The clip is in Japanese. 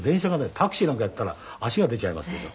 タクシーなんかやったら足が出ちゃいますでしょ。